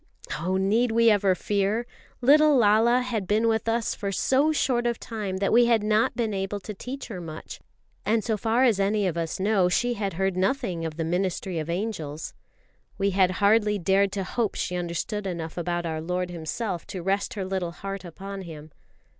Oh, need we ever fear? Little Lala had been with us for so short a time that we had not been able to teach her much; and so far as any of us know, she had heard nothing of the ministry of angels. We had hardly dared to hope she understood enough about our Lord Himself to rest her little heart upon Him.